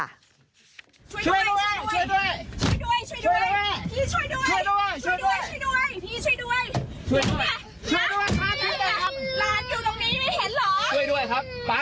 ช่วยด้วยช่วยด้วย